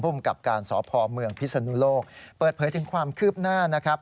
กับการสพเมืองพิศนุโลกเปิดเผยถึงความคืบหน้านะครับ